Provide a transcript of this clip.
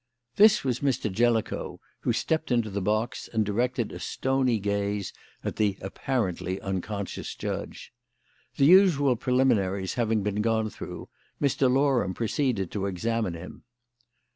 This was Mr. Jellicoe, who stepped into the box and directed a stony gaze at the (apparently) unconscious judge. The usual preliminaries having been gone through, Mr. Loram proceeded to examine him.